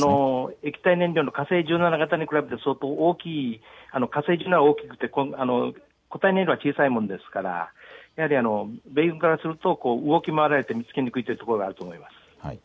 液体燃料の火星１７型に比べて大きくて固体燃料は小さいものですから、やはり動き回られて見つけにくいというところがあると思います。